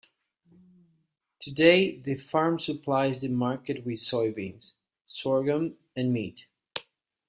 Today the farm supplies the market with soybeans, sorghum and meat.